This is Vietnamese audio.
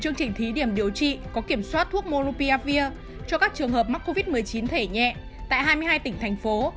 chương trình thí điểm điều trị có kiểm soát thuốc morripia vir cho các trường hợp mắc covid một mươi chín thể nhẹ tại hai mươi hai tỉnh thành phố